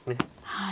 はい。